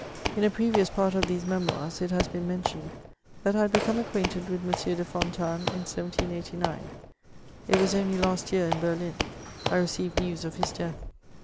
In a previous part of these Memoirs, it has been mentioned that I had become acquainted with M. de Fontanes in 1789 ; it was only last year, m Berhn, I received news of his death.